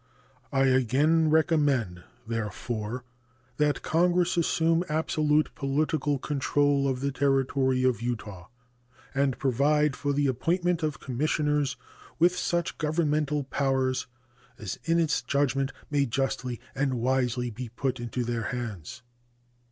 I again recommend, therefore, that Congress assume absolute political control of the Territory of Utah and provide for the appointment of commissioners with such governmental powers as in its judgment may justly and wisely be put into their hands.